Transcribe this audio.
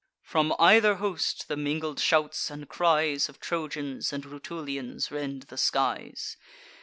From either host, the mingled shouts and cries Of Trojans and Rutulians rend the skies.